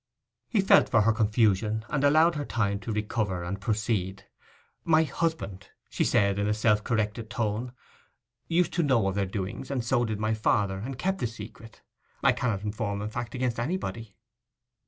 He felt for her confusion, and allowed her time to recover and proceed. 'My husband,' she said, in a self corrected tone, 'used to know of their doings, and so did my father, and kept the secret. I cannot inform, in fact, against anybody.